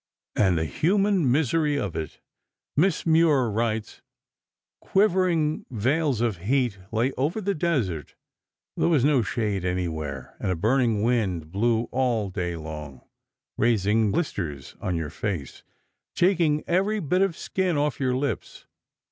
And the human misery of it! Miss Moir writes: Quivering veils of heat lay over the desert, there was no shade anywhere, and a burning wind blew all day long, raising blisters on your face, taking every bit of skin off your lips.